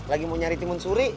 lagi mau nyari timun suri